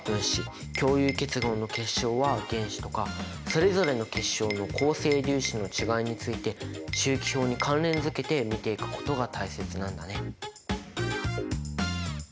共有結合の結晶は「原子」とかそれぞれの結晶の構成粒子の違いについて周期表に関連づけて見ていくことが大切なんだね。